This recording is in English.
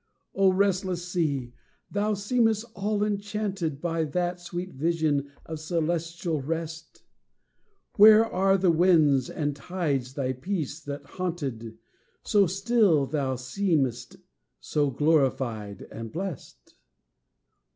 O restless sea! thou seemest all enchanted By that sweet vision of celestial rest; Where are the winds and tides thy peace that haunted, So still thou seemest, so glorified and blest!